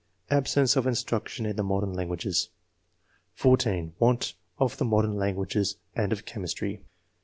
[chap. (13) " Absence of instruction in the modem languages." (14) "Want of the modern languages and of chemistry."